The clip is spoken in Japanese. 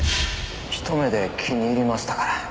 一目で気に入りましたから。